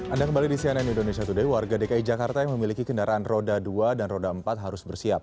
anda kembali di cnn indonesia today warga dki jakarta yang memiliki kendaraan roda dua dan roda empat harus bersiap